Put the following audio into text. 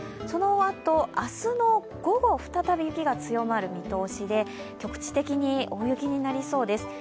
そのあと、明日の午後は再び雪が強まる見通しで局地的に大雪になりそうです。